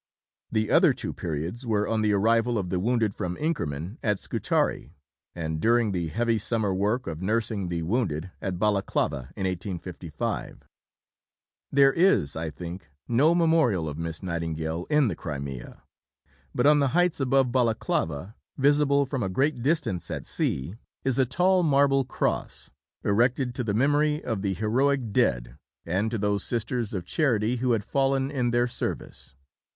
The other two periods were on the arrival of the wounded from Inkerman at Scutari (p. 181), and "during the heavy summer work of nursing the wounded at Balaclava in 1855." There is, I think, no memorial of Miss Nightingale in the Crimea. But on the heights above Balaclava, visible from a great distance at sea, is a tall marble cross, erected to the memory of the heroic dead, "and to those Sisters of Charity who had fallen in their service."